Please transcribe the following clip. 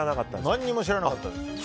何も知らなかったです。